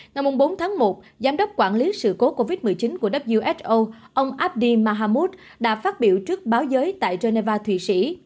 năm bốn tháng một giám đốc quản lý sự cố covid một mươi chín của who ông abdi mahamoud đã phát biểu trước báo giới tại geneva thụy sĩ